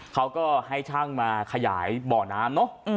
เขาก็ให้ช่างมาขยายบ่อน้ำเนอะ